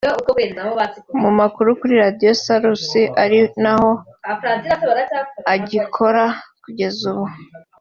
mu makuru kuri Radio Salus ari naho agikora kugeza ubu